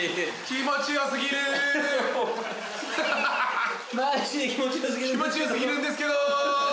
気持ち良過ぎるんですけど！